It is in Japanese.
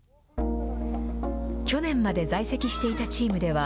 去年まで在籍していたチームでは、